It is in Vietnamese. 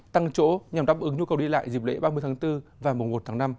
tăng chỗ nhằm đáp ứng nhu cầu đi lại dịp lễ ba mươi tháng bốn và mùa một tháng năm